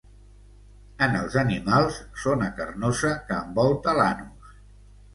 En els animals, zona carnosa que envolta l'anus.